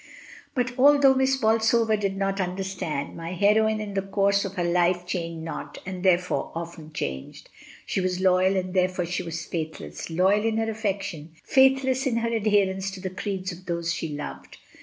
But although Miss Bolsover did not understand, my heroine in the course of her life changed not, and therefore often changed; she was loyal and therefore she was faithless; loyal in her affection, faithless in her adherence to the creeds of those she loved.